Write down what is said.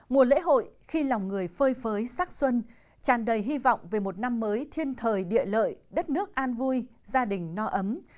mùa lễ hội khi lòng người phơi phới sắc xuân tràn đầy hy vọng về một năm mới thiên thời địa lợi đất nước an vui gia đình no ấm